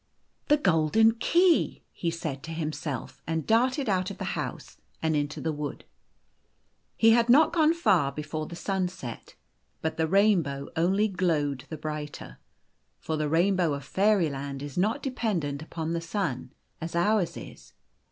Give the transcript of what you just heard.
" The golden key !" he said to himself, and darted out of the house, and into the wood. He had not gone far before the sun set. But the rainbow only glowed the brighter. For the rainbow of Fairyland is not dependent upon the sun as ours is.